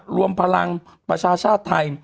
รวมพลังประชาชาติไทย